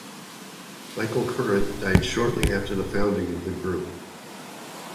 Michael Current died shortly after the founding of the group.